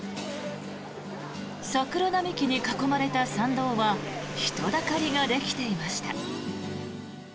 桜並木に囲まれた参道は人だかりができていました。